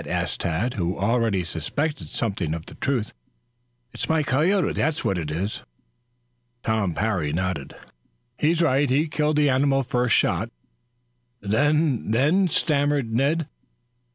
asked Tad, who already suspected something of the truth. "It's my coyote, that's what it is." Tom Parry nodded. "He's right. He killed the animal the first shot " "Then then " stammered Ned.